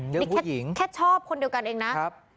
เรื่องผู้หญิงแค่ชอบคนเดียวกันเองนะครับ